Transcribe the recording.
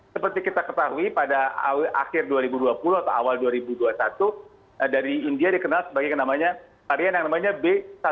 seperti kita ketahui pada akhir dua ribu dua puluh atau awal dua ribu dua puluh satu dari india dikenal sebagai varian yang namanya b seribu enam ratus tujuh belas